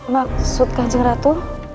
maksud kanjeng ratu